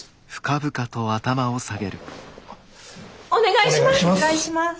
お願いします。